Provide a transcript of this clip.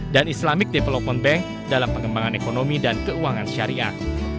bank islam dan bank development dalam pengembangan ekonomi dan keuangan syariah